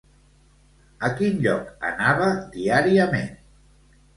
A quin lloc anava diàriament?